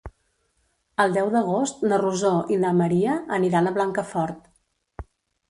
El deu d'agost na Rosó i na Maria aniran a Blancafort.